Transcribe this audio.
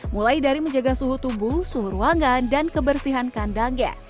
mulai dari menjaga suhu tubuh suhu ruangan dan kebersihan kandangnya